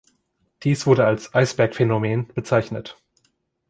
Dies wurde als „Eisberg-Phänomen“ bezeichnet.